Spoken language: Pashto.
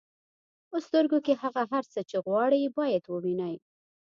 په سترګو کې هغه هر څه چې غواړئ باید ووینئ.